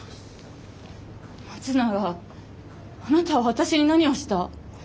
松永あなたは私に何をした。